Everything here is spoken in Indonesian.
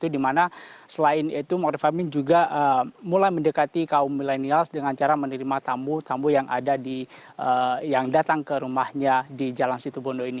di mana selain itu maulid refahmin juga mulai mendekati kaum milenial dengan cara menerima tamu tamu yang datang ke rumahnya di jalan situbondo ini